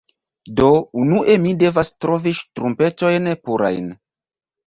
Do, unue mi devas trovi ŝtrumpetojn purajn